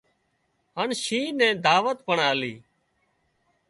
هانَ شينهن نين دعوت پڻ آلي